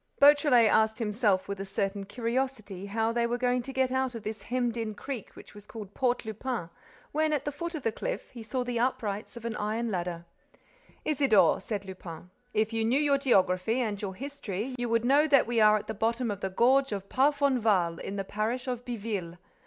Beautrelet asked himself with a certain curiosity how they were going to get out of this hemmed in creek which was called Port Lupin, when, at the foot of the cliff, he saw the uprights of an iron ladder. "Isidore," said Lupin, "if you knew your geography and your history, you would know that we are at the bottom of the gorge of Parfonval, in the parish of Biville.